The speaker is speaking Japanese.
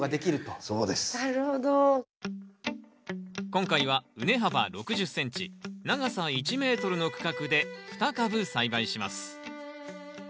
今回は畝幅６０ｃｍ長さ１ｍの区画で２株栽培します。